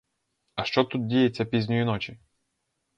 А що тут діється пізньої ночі?